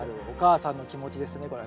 お母さんの気持ちですね。